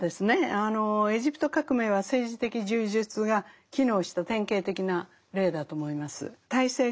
あのエジプト革命は政治的柔術が機能した典型的な例だと思います。